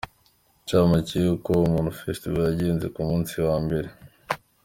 Incamake y’uko Ubumuntu Festival yagenze ku munsi wa mbere.